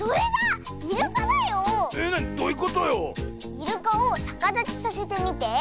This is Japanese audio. イルカをさかだちさせてみて。